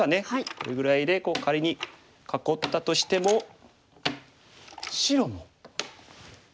これぐらいで仮に囲ったとしても白もどうでしょう。